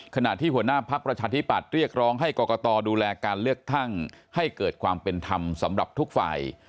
ขณะที่หัวหน้าพักประชาธิปัตย์เรียกร้องให้กรกตดูแลการเลือกตั้งให้เกิดความเป็นธรรมสำหรับทุกฝ่าย